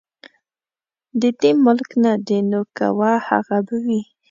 د دې ملک نه دي نو که وه هغه به وي.